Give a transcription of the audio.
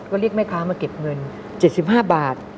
ก็เรียกแม่ค้ามาเก็บเงิน๗๕บาท